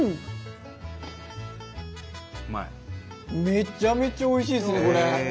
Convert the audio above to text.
めちゃめちゃおいしいですねこれ。